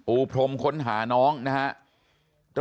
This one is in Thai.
พรมค้นหาน้องนะครับ